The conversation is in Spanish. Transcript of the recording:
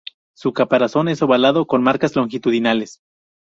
Su caparazón es ovalado con marcas longitudinales.